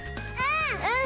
うん！